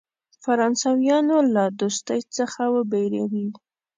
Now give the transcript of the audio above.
فرانسویانو له دوستی څخه وبېروي.